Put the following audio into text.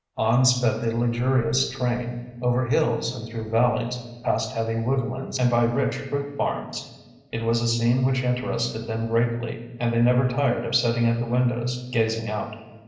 On sped the luxurious train, over hills and through the valleys, past heavy woodlands and by rich fruit farms. It was a scene which interested them greatly, and they never tired of sitting at the windows, gazing out.